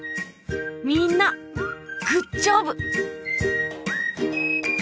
みんなグッジョブ！